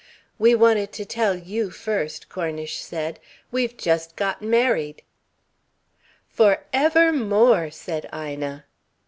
"We wanted to tell you first," Cornish said. "We've just got married." "For ever more!" said Ina.